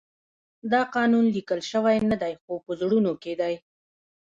دا قانون لیکل شوی نه دی خو په زړونو کې دی.